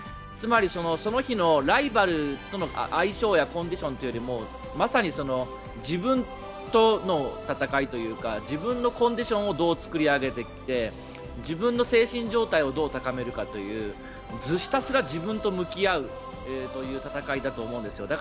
つまり、その日のライバルとの相性やコンディションというよりもまさに自分との戦いというか自分のコンディションをどう作り上げていって自分の精神状態をどう高めるかというひたすら自分と向き合うという戦いだと思うんです。